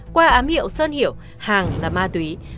qua ám hiệu sơn hiểu hàng là ma túy